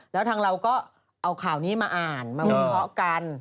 แล้วทางเราก็เอาข่าวนี้มาอ่านมาวิเคราะห์กัน